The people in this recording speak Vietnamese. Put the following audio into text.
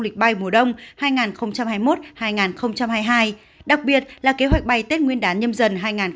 lịch bay mùa đông hai nghìn hai mươi một hai nghìn hai mươi hai đặc biệt là kế hoạch bay tết nguyên đán nhâm dần hai nghìn hai mươi bốn